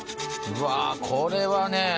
うわこれはね